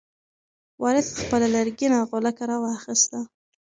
وارث خپله لرګینه غولکه راواخیسته.